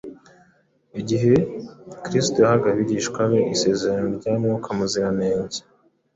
Igihe Kristo yahaga abigishwa be isezerano rya Mwuka Muziranenge